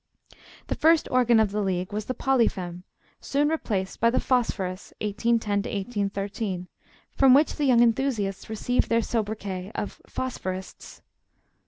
The first organ of the League was the Polyfem, soon replaced by the Phosphorus (1810 1813), from which the young enthusiasts received their sobriquet of "Phosphorists."